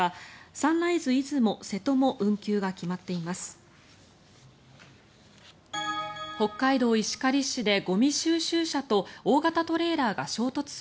サンライズ出雲・瀬戸も運休が決まっています。